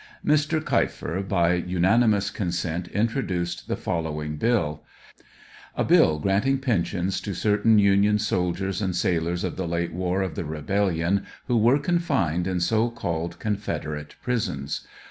Mr. Keifer, by unanimous consent, introduced the fol lowing bill : A BILL granting pensions to certain Union soldiers and sailors of the late war of the rebellion who were confined in so called Confederate prisons.